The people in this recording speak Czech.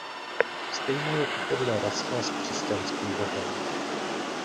Stejné je to podle Russella s křesťanským Bohem.